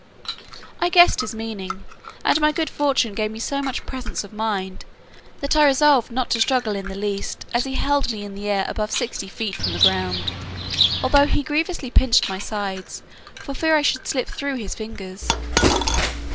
I guessed his meaning, and my good fortune gave me so much presence of mind, that I resolved not to struggle in the least as he held me in the air above sixty feet from the ground, although he grievously pinched my sides, for fear I should slip through his fingers.